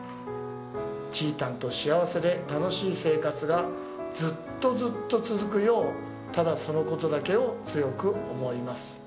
ちーたんと幸せで楽しい生活がずっとずっと続くようただ、そのことだけを強く思います。」